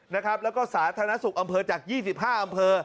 แล้วก็สาธารณสุขอำเภอจาก๒๕อำเภอ